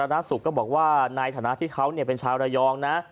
นักสุขก็บอกว่าในฐานะที่เขาเป็นชาวระยองนะ